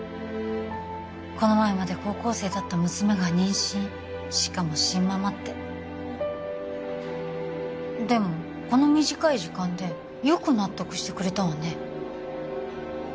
この前まで高校生だった娘が妊娠しかもシンママってでもこの短い時間でよく納得してくれたわね